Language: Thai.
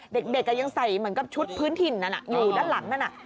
เด็กยังใส่ชุดพื้นทิ่นนั่นอยู่ด้านหลังนั่น